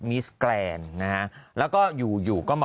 แป๊บ